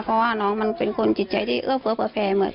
เพราะว่าน้องมันเป็นคนจิตใจที่เอื้อเฟ้อเหมือน